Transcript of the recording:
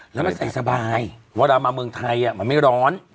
แล้วมันใส่สบายเวลามาเมืองไทยมันไม่ร้อน